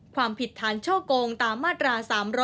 ความผิดฐานช่อกงตามมาตรา๓๗